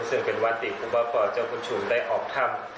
ซึ่งเป็นวันติดกุปป่าป่าวเจ้าคุณฉุกได้ออกธรรม